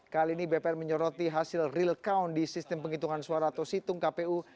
kali ini bpn menyoroti hasil real count di sistem penghitungan suara atau situng kpu